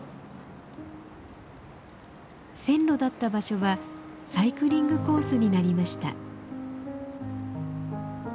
線路だった場所はサイクリングコースになりました。